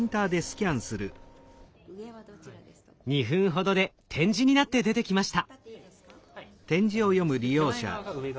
２分ほどで点字になって出てきました。